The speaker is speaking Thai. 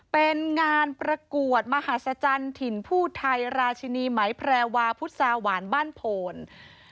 เป็นงานประกวดมหาศจรรย์ถิ่นผู้ไทยราชินีไหมแพรวาพุษาหวานบ้านโพน